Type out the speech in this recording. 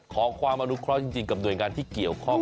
ขอความอนุเคราะห์จริงกับหน่วยงานที่เกี่ยวข้อง